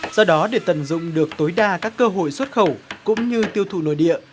do đó để tận dụng được tối đa các cơ hội xuất khẩu cũng như tiêu thụ nội địa